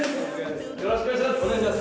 よろしくお願いします。